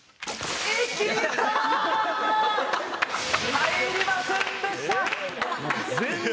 入りませんでした。